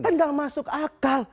kan gak masuk akal